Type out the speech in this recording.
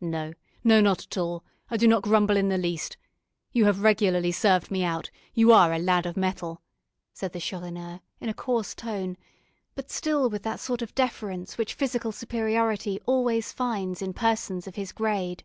"No, no, not at all; I do not grumble in the least. You have regularly served me out, you are a lad of mettle," said the Chourineur, in a coarse tone, but still with that sort of deference which physical superiority always finds in persons of his grade.